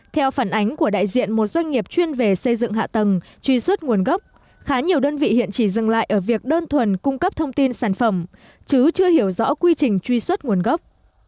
theo phản ánh của đại diện một doanh nghiệp chuyên về xây dựng hạ tầng truy xuất nguồn gốc khá nhiều đơn vị hiện chỉ dừng lại ở việc đơn thuần cung cấp thông tin sản phẩm chứ chưa hiểu rõ quy trình truy xuất nguồn gốc